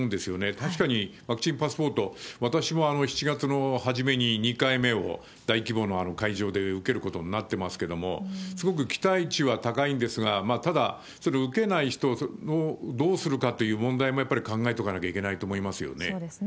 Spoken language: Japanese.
確かにワクチンパスポート、私も７月の初めに２回目を大規模のあの会場で受けることになってますけれども、すごく期待値は高いんですが、ただ、それを受けない人をどうするかという問題もやっぱり考えとかなきそうですね。